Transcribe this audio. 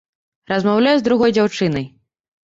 Размаўляю з другой дзяўчынай.